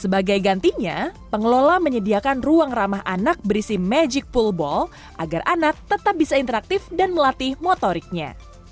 sebagai gantinya pengelola menyediakan ruang ramah anak berisi magic pool ball agar anak tetap bisa interaktif dan melatih motoriknya